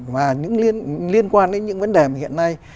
mà liên quan đến những vấn đề mà hiện nay